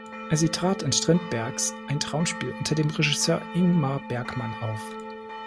Sie trat in Strindbergs „Ein Traumspiel“ unter dem Regisseur Ingmar Bergman auf.